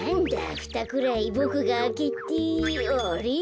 ふたくらいボクがあけてあれ？